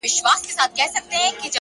پرمختګ له روښانه موخو ځواک اخلي؛